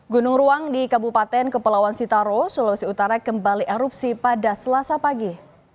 gunung ruang di kabupaten kepulauan sitaro sulawesi utara kembali erupsi pada selasa pagi